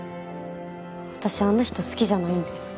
私あんな人好きじゃないんで